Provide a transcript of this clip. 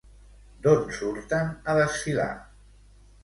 D'on surten a desfilar?